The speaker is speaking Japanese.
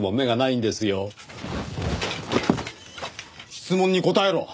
質問に答えろ。